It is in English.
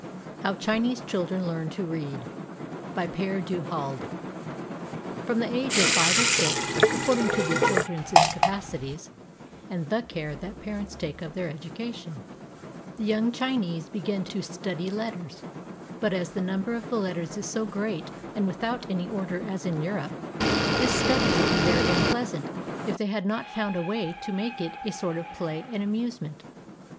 HOW CHINESE CHILDREN LEARN TO READ BY PERE DU HALDE From the age of five or six, according to the children's capacities and the care that parents take of their educa tion, the young Chinese begin to study letters ; but as the number of the letters is so great and without any order as in Europe, this study would be very unpleasant if they had not found a way to make it a sort of play and amusement.